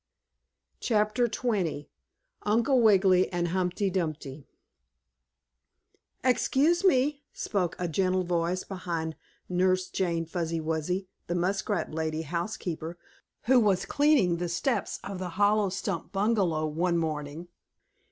CHAPTER XX UNCLE WIGGILY AND HUMPTY DUMPTY "Excuse me," spoke a gentle voice behind Nurse Jane Fuzzy Wuzzy, the muskrat lady housekeeper, who was cleaning the steps of the hollow stump bungalow one morning.